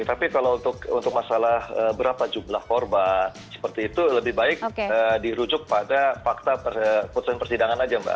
tapi kalau untuk masalah berapa jumlah korban seperti itu lebih baik dirujuk pada fakta keputusan persidangan saja mbak